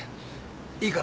いいかな？